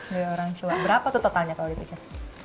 dari orang tua berapa tuh totalnya kalau ditekan